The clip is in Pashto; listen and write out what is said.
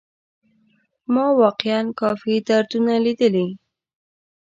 ما واقيعا کافي دردونه ليدلي.